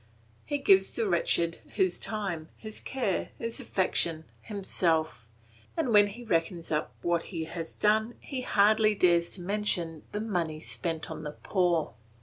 He gives the wretched his time, his care, his affection, himself; and when he reckons up what he has done, he hardly dares to mention the money spent on the poor.